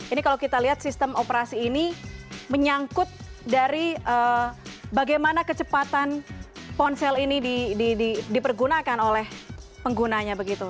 ini kalau kita lihat sistem operasi ini menyangkut dari bagaimana kecepatan ponsel ini dipergunakan oleh penggunanya begitu